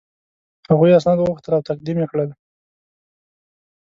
هغوی اسناد وغوښتل او تقدیم یې کړل.